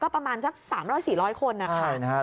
ประมาณสัก๓๐๐๔๐๐คนนะคะ